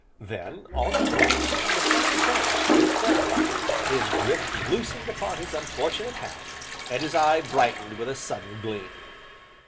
Then, all at once, the frown vanished from his brow, his grip loosened upon his unfortunate hat, and his eye brightened with a sudden gleam.